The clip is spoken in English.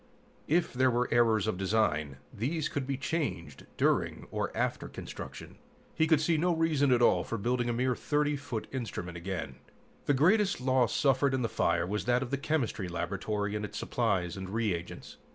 If there were errors of design, these could be changed during or after construction. He could see no reason at all for building a mere 30 foot instrument again. The greatest loss suffered in the fire was that of the chemistry laboratory and its supplies and reagents.